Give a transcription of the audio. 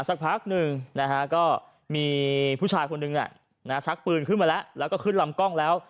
สักพักหนึ่งนะฮะก็มีผู้ชายคนหนึ่งชักปืนขึ้นมาแล้วแล้วก็ขึ้นลำกล้องแล้ว